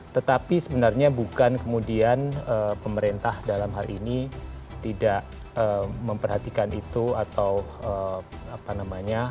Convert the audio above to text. tetapi sebenarnya bukan kemudian pemerintah dalam hal ini tidak memperhatikan itu atau apa namanya